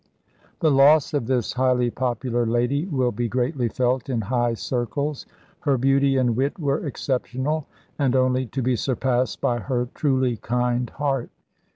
"The loss of this highly popular lady will be greatly felt in high circles. Her beauty and wit were exceptional, and only to be surpassed by her truly kind heart.